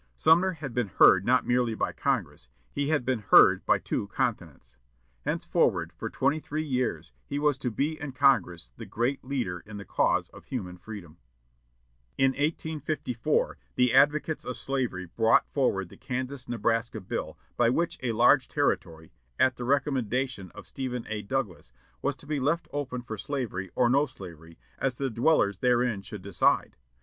Sumner had been heard not merely by Congress; he had been heard by two continents. Henceforward, for twenty three years, he was to be in Congress the great leader in the cause of human freedom. In 1854 the advocates of slavery brought forward the Kansas Nebraska Bill, by which a large territory, at the recommendation of Stephen A. Douglas, was to be left open for slavery or no slavery, as the dwellers therein should decide.